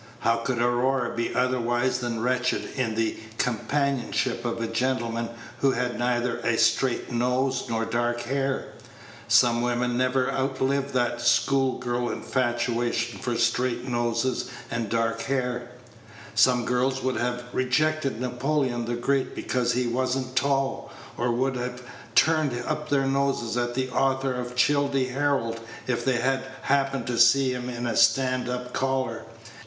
How could Aurora be otherwise than wretched in the companionship of a gentleman who had neither a straight nose nor dark hair. Some women never outlive that school girl infatuation for straight noses and dark hair. Some girls would have rejected Napoleon the Great because he was n't "tall," or would have turned up their noses at the author of Childe Harold if they had happened to see him in a stand up collar.